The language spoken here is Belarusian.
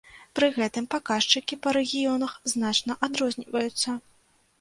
Пры гэтым паказчыкі па рэгіёнах значна адрозніваюцца.